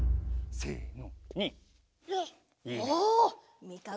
せの。